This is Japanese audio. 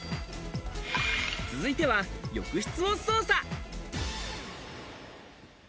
続いては浴室を捜査。